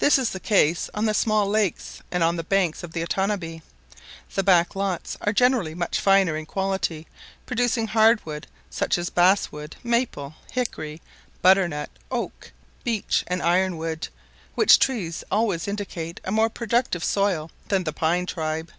This is the case on the small lakes and on the banks of the Otanabee; the back lots are generally much finer in quality, producing hard wood, such as bass wood, maple, hickory, butter nut, oak, beech, and iron wood; which trees always indicate a more productive soil than the pine tribe.